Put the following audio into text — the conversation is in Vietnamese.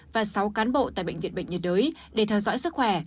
và sáu cán bộ tại bệnh viện bệnh nhiệt đới để theo dõi sức khỏe